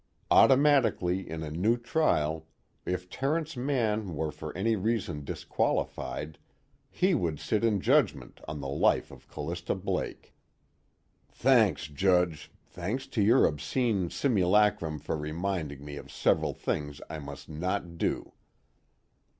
Automatically, in a new trial, if Terence Mann were for any reason disqualified, he would sit in judgment on the life of Callista Blake. _Thanks, Judge, thanks to your obscene simulacrum for reminding me of several things I must not do.